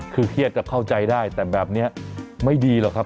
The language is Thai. คือเครียดจะเข้าใจได้แต่แบบนี้ไม่ดีหรอกครับ